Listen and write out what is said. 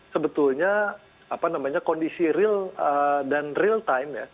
sebetulnya kondisi real dan real time